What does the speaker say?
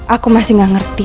aku masih enggak ngerti